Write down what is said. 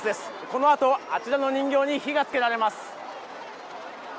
このあと、あちらの人形に火がつけられます。